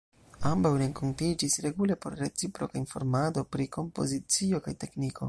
Ambaŭ renkontiĝis regule por reciproka informado pri kompozicio kaj tekniko.